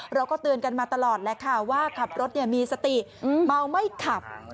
เราก็ตื่นกันมาตลอดว่าขับรถมีสติมาวไม่ขับ